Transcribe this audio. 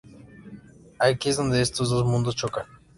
Aquí es donde estos dos mundos chocan.